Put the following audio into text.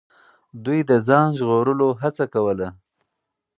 دوی د ځان ژغورلو هڅه کوله.